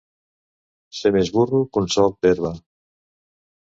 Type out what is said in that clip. Ser més burro que un solc d'herba.